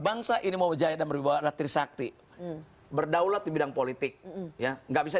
bangsa ini mau jaya dan berwibawa adalah trisakti berdaulat di bidang politik ya nggak bisa